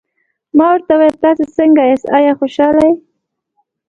ما ورته وویل: تاسي څنګه یاست، آیا خوشحاله یې؟